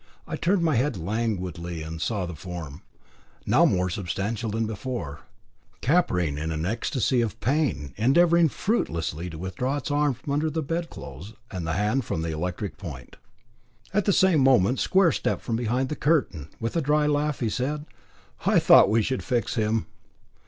I turned my head languidly, and saw the form, now more substantial than before, capering in an ecstasy of pain, endeavouring fruitlessly to withdraw its arm from under the bedclothes, and the hand from the electric point. At the same moment Square stepped from behind the curtain, with a dry laugh, and said: "I thought we should fix him.